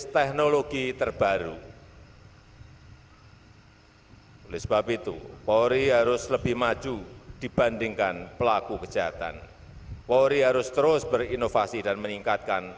penghormatan kepada panji panji kepolisian negara republik indonesia tri brata